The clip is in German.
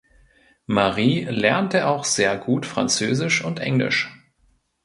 Marie lernte auch sehr gut Französisch und Englisch.